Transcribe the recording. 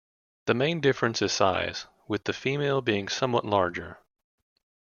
The main difference is size, with the female being somewhat larger.